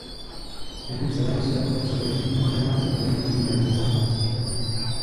Během celého svého působení neodehrál za první tým žádný zápas.